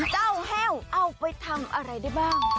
แห้วเอาไปทำอะไรได้บ้าง